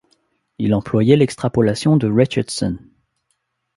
Il employait l'extrapolation de Richardson.